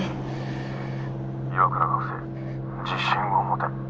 「岩倉学生自信を持て」。